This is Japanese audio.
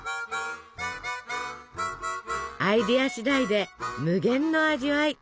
アイデアしだいで無限の味わい！